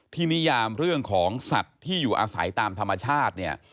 นิยามเรื่องของสัตว์ที่อยู่อาศัยตามธรรมชาติเนี่ย